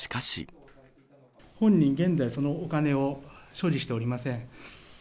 本人、現在、そのお金を所持しておりません。